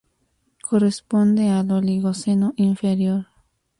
Corresponde al Oligoceno inferior.